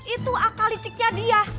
itu akal liciknya dia